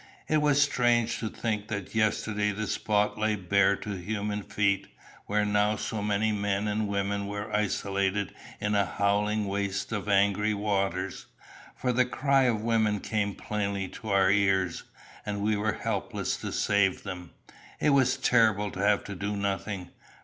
It was strange to think that yesterday the spot lay bare to human feet, where now so many men and women were isolated in a howling waste of angry waters; for the cry of women came plainly to our ears, and we were helpless to save them. It was terrible to have to do nothing.